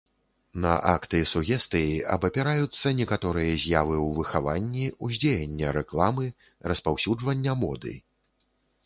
На акты сугестыі абапіраюцца некаторыя з'явы ў выхаванні, ўздзеяння рэкламы, распаўсюджвання моды.